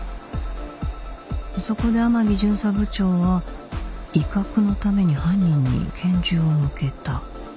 そこで天樹巡査部長は威嚇のために犯人に拳銃を向けた